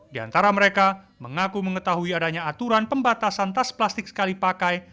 di antara mereka mengaku mengetahui adanya aturan pembatasan tas plastik sekali pakai